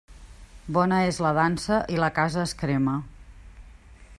Bona és la dansa, i la casa es crema.